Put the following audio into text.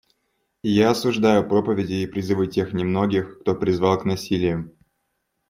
И я осуждаю проповеди и призывы тех немногих, кто призвал к насилию.